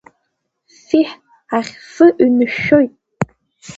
Ффиҳ, аӷьфҩы ҩнышәшәоит.